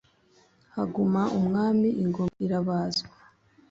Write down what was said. Haguma umwami, ingoma irabazwa.